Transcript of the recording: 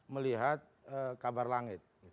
melihat kabar langit